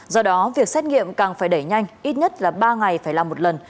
do đó việc xét nghiệm càng phải đẩy nhanh ít nhất là ba ngày phải làm một lần